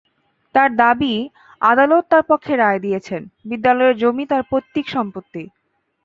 তাঁর দাবি, আদালত তাঁর পক্ষে রায় দিয়েছেন, বিদ্যালয়ের জমি তাঁর পৈতৃক সম্পত্তি।